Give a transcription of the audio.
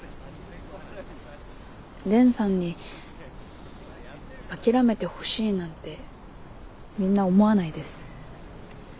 蓮さんに諦めてほしいなんてみんな思わないです。